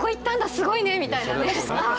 すごいねみたいなね。